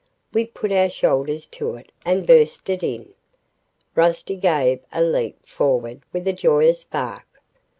We put our shoulders to it and burst it in. Rusty gave a leap forward with a joyous bark.